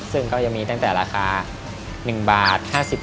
ซึ่งก็จะมีตั้งแต่ราคา๑บาท